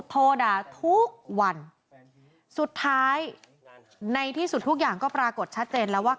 โทรด่าทุกวันสุดท้ายในที่สุดทุกอย่างก็ปรากฏชัดเจนแล้วว่า